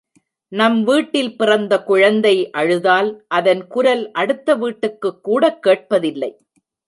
நம் வீட்டில் பிறந்த குழந்தை அழுதால் அதன் குரல் அடுத்த வீட்டுக்குக்கூடக் கேட்பதில்லை.